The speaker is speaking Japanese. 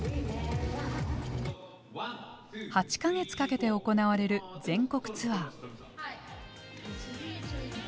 ８か月かけて行われる全国ツアー。